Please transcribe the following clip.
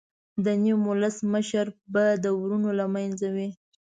د نیم ولس مشر به د ورونو له منځه وي.